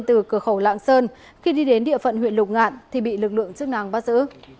từ cửa khẩu lạng sơn khi đi đến địa phận huyện lục ngạn thì bị lực lượng chức năng bắt giữ